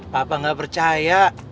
papa gak percaya